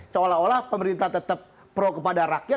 seolah olah pemerintah tetap pro kepada rakyat